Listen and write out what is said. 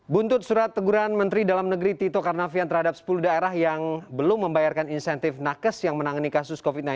buntut surat teguran menteri dalam negeri tito karnavian terhadap sepuluh daerah yang belum membayarkan insentif nakes yang menangani kasus covid sembilan belas